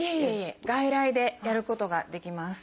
外来でやることができます。